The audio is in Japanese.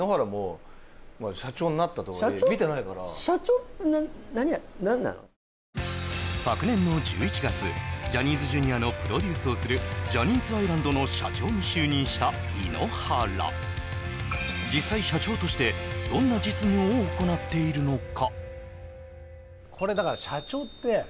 普通にそっかそっか昨年の１１月ジャニーズＪｒ．のプロデュースをするジャニーズアイランドの社長に就任した井ノ原実際社長としてどんな実務を行っているのか？